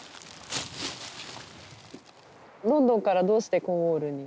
ロンドンからどうしてコーンウォールに？